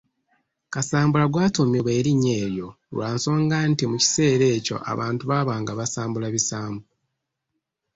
Kasambula gwatuumibwa erinnya eryo lwa nsonga nti mu kiseera ekyo abantu baabanga basambula bisambu.